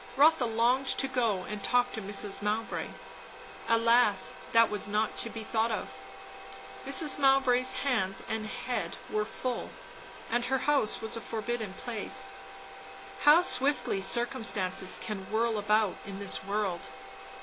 Rotha longed to go and talk to Mrs. Mowbray; alas, that was not to be thought of. Mrs. Mowbray's hands and head were full, and her house was a forbidden place. How swiftly circumstances can whirl about in this world!